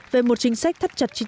về một chính sách thắt chặt chính sách